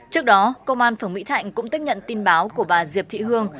trước đó công an phường mỹ thạnh cũng tiếp nhận tin báo của bà diệp thị hương